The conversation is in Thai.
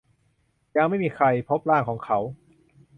ยังไม่มีใครพบร่างของเขา